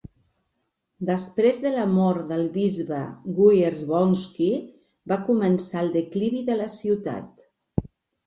Després de la mort del bisbe Wierzbowski va començar el declivi de la ciutat.